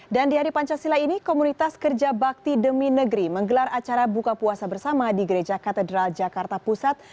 dan di hari pancasila ini komunitas kerja bakti demi negeri menggelar acara buka puasa bersama di gereja katedral jakarta pusat